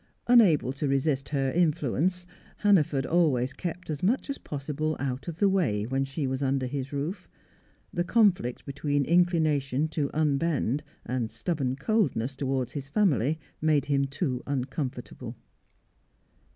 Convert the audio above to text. Unable to resist her influence, Hannaford always kept as much as possible out of the way when she was under his roof; the conflict between inclination to unbend and stubborn coldness towards his family made him too uncomfortable.